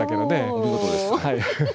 お見事です。